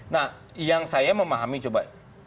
nah yang saya memahami coba